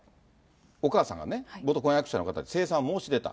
お母さんがね、元婚約者の方に清算を申し出た。